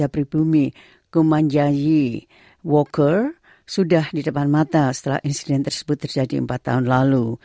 jabri bumi kumanjahi walker sudah di depan mata setelah insiden tersebut terjadi empat tahun lalu